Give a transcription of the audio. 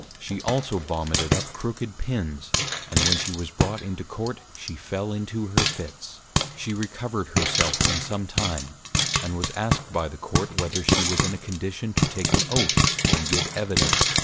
_ She also Vomited up Crooked Pins; and when she was brought into Court, she fell into her Fits. She Recovered her self in some Time, and was asked by the Court, whether she was in a Condition to take an Oath, and give Evidence.